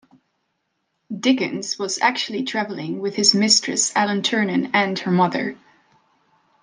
Dickens was actually travelling with his mistress Ellen Ternan and her mother.